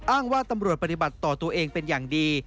อ้างว่าตำรวจปฏิบัติต่อตัวเองเป็นอย่างดี